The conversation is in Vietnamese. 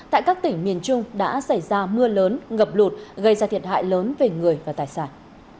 tại các tỉnh miền trung đã xảy ra mưa lớn ngập lụt gây ra thiệt hại lớn về người và tài sản